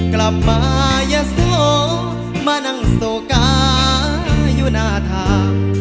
กลับมาอย่าโสมานั่งโซกาอยู่หน้าทาง